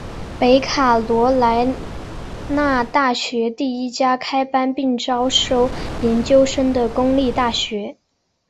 北卡罗来纳大学第一家开班并招收研究生的公立大学。